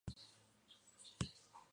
Cinismo, pimienta y piedad.